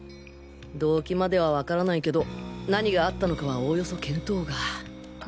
動機までは分からないけど何があったのかはおおよそ見当が。